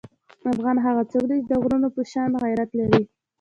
افغان هغه څوک دی چې د غرونو په شان غیرت لري.